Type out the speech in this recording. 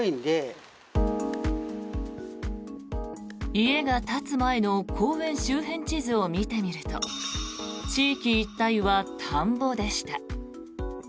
家が建つ前の公園周辺地図を見てみると地域一帯は田んぼでした。